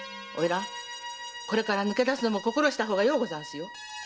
これからは抜け出すのも心したほうがようござんすよ。